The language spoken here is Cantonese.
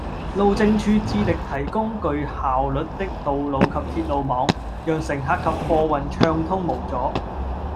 路政署致力提供具效率的道路及鐵路網，讓乘客及貨運暢通無阻